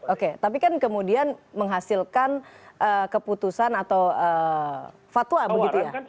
oke tapi kan kemudian menghasilkan keputusan atau fatwa begitu ya